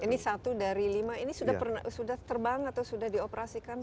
ini satu dari lima ini sudah terbang atau sudah dioperasikan